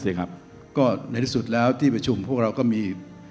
สิครับก็ในที่สุดแล้วที่ประชุมพวกเราก็มี